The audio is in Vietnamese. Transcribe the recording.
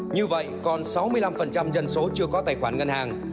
như vậy còn sáu mươi năm dân số chưa có tài khoản ngân hàng